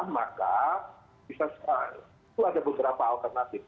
maka itu ada beberapa alternatif